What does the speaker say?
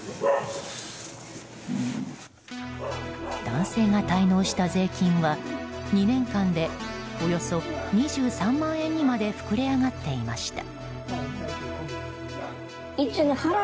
男性が滞納した税金は２年間で、およそ２３万円にまで膨れ上がっていました。